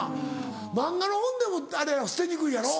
漫画の本でもあれやろ捨てにくいやろ。